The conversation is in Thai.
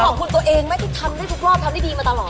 ขอบคุณตัวเองไหมที่ทำได้ทุกรอบทำได้ดีมาตลอด